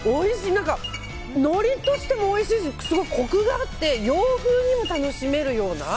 何か、のりとしてもおいしいしコクがあって洋風にも楽しめるような。